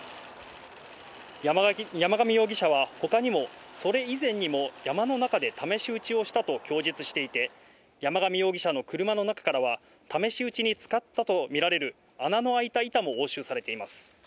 山上容疑者はほかにも、それ以前にも山の中で試し撃ちをしたと供述していて、山上容疑者の車の中からは、試し撃ちに使ったと見られる穴の開いた板も押収されています。